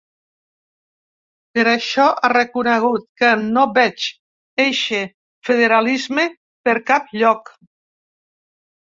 Per això, ha reconegut que ‘no veig eixe federalisme per cap lloc’.